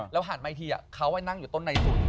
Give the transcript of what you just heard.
แล้วผ่านมาอีกทีเขาไปนั่งอยู่ต้นในสุด